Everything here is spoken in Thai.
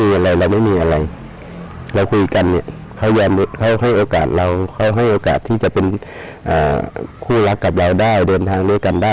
อีกประมาณ๑๐๐กิโลเมตรถึงนี่ตื่นเต้นมากขึ้นกว่าเดินไหมคะ